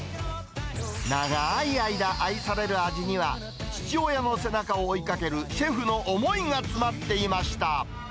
長い間愛される味には、父親の背中を追いかけるシェフの思いが詰まっていました。